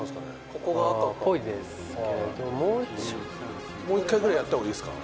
ここが赤かああっぽいですけれどもう一回ぐらいやった方がいいすか？